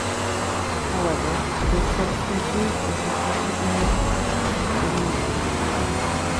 However, this subspecies is not recognized as valid anymore.